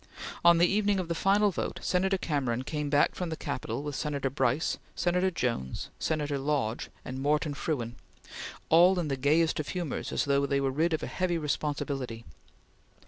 On the evening of the final vote, Senator Cameron came back from the Capitol with Senator Brice, Senator Jones, Senator Lodge, and Moreton Frewen, all in the gayest of humors as though they were rid of a heavy responsibility.